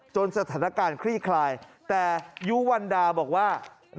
สถานการณ์คลี่คลายแต่ยุวันดาบอกว่า